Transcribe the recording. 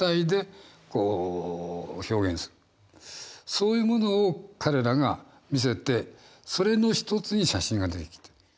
そういうものを彼らが見せてそれの一つに写真が出てきてた。